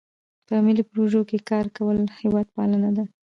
په ملي پروژو کې کار کول هیوادپالنه ده.